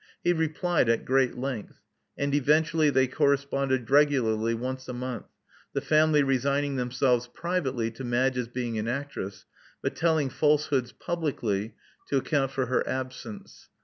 He replied at great length; and eventually they corresponded regularly once a month, the family resigning themselves privately to Madge's being an aotress, but telling falsehoods publicly to account for 164 Love Among the Artists her absence.